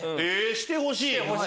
してほしい？